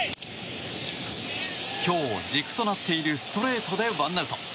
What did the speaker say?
今日、軸となっているストレートでワンアウト。